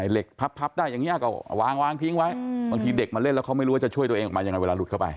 เหล็กพับได้อย่างนี้ก็วางวางทิ้งไว้บางทีเด็กมาเล่นแล้วเขาไม่รู้ว่าจะช่วยตัวเองออกมายังไงเวลาหลุดเข้าไป